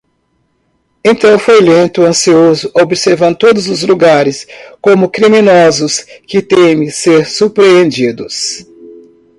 Então foi lento, ansioso, observando todos os lugares, como criminosos que temem ser surpreendidos.